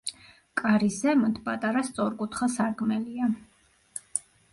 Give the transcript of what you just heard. კარის ზემოთ პატარა სწორკუთხა სარკმელია.